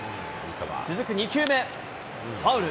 続く２球目、ファウル。